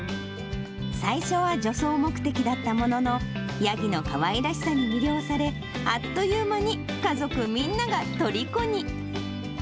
最初は除草目的だったものの、ヤギのかわいらしさに魅了され、あっという間に家族みんながとりこに。